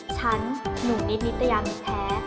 ฉันหนูนิดนิตยามีแฮ